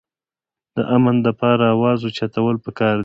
د امن دپاره اواز اوچتول پکار دي